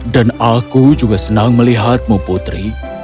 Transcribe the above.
dan aku juga senang melihatmu putri